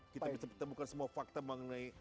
kita bisa menemukan semua fakta mengenai